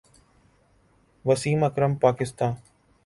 Wasim Akram Pakistan